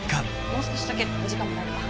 もう少しだけ時間もらえれば。